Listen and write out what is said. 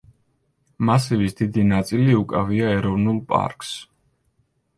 მასივის დიდი ნაწილი უკავია ეროვნულ პარკს.